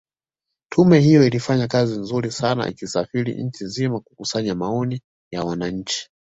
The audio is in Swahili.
Tume hiyo ilifanya kazi nzuri sana ikisafiri nchi nzima kukusanya maoni ya wananchi